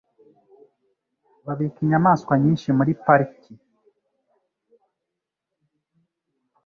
Babika inyamaswa nyinshi muri pariki.